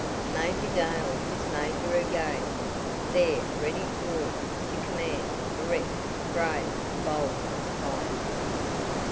Major Dale was major again, there ready to order, to command erect, brave, bold, defiant.